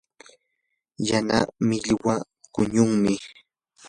yana millwa quñunmi.